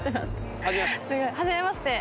初めまして。